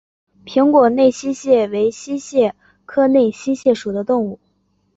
平果内溪蟹为溪蟹科内溪蟹属的动物。